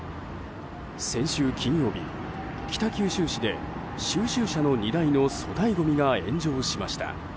先週金曜日、北九州市で収集車の荷台の粗大ごみが炎上しました。